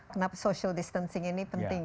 kenapa social distancing ini penting